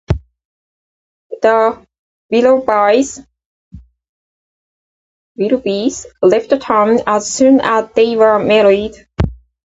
The Willowbys left town as soon as they were married.